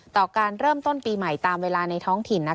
ต่อการเริ่มต้นปีใหม่ตามเวลาในท้องถิ่น